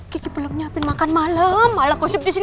kiki belom nyapin makan malem malah konsep disini